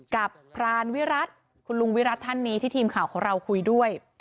พรานวิรัติคุณลุงวิรัติท่านนี้ที่ทีมข่าวของเราคุยด้วย